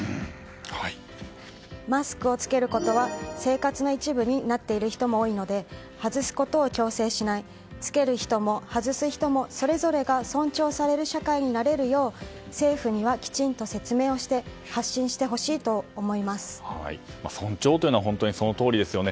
マスクを着けることは生活の一部になっている人も多いので、外すことを強制しない着ける人も外す人もそれぞれが尊重される社会になれるよう政府にはきちんと説明をして尊重というのは本当にそのとおりですよね。